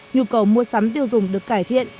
nhu cầu mua sắm tiêu dùng được cải thiện